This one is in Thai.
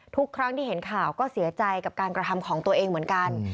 ทุกครั้งที่เห็นข่าวก็เสียใจกับการกระทำของตัวเองเหมือนกัน